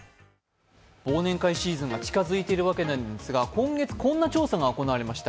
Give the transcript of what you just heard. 忘年会シーズンが近づいているわけですが、今月こんな調査が行われました。